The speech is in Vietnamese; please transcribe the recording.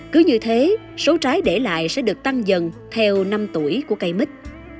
cứ như thế số trái để lại sẽ được tăng dần theo năm tuổi của cây mít